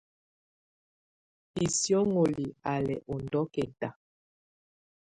Bisióŋgoli á lɛ ɔ ndɔkɛta.